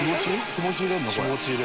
「気持ち入れるの？」